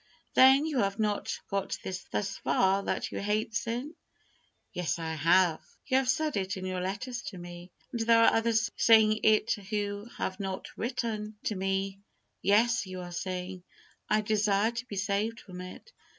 Then you have got thus far that you hate sin? "Yes, I have." You have said it in your letters to me, and there are others saying it who have not written to me. "Yes," you are saying, "I desire to be saved from it.